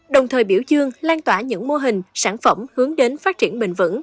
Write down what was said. đồng thời biểu dương lan tỏa những mô hình sản phẩm hướng đến phát triển bền vững